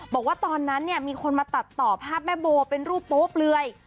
บอกว่าตอนนั้นเนี่ยมีคนมาตัดต่อภาพแม่โบเป็นรูปโป๊เปลือย